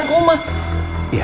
ip common relate juga ya